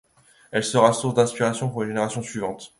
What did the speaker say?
Elle sera source d'inspiration pour les générations suivantes.